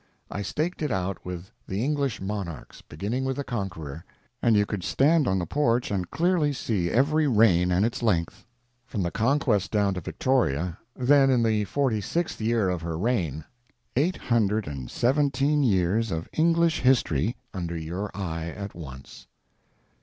I staked it out with the English monarchs, beginning with the Conqueror, and you could stand on the porch and clearly see every reign and its length, from the Conquest down to Victoria, then in the forty sixth year of her reign—eight hundred and seventeen years of English history under your eye at once!